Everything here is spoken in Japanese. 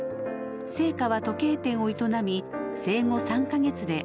生家は時計店を営み生後３か月で大阪へ。